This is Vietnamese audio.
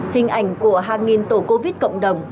hình ảnh của hàng nghìn tổ covid cộng đồng